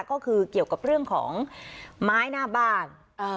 ก็คือเกี่ยวกับเรื่องของไม้หน้าบ้าน